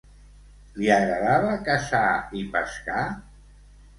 Li agradava caçar i pescar?